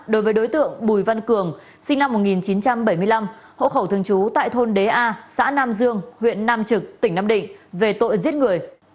đối với đối tượng bùi văn cường sinh năm một nghìn chín trăm bảy mươi năm hộ khẩu thường trú tại thôn đế a xã nam dương huyện nam trực tỉnh nam định về tội giết người